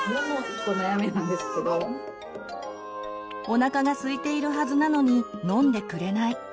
おなかがすいているはずなのに飲んでくれない。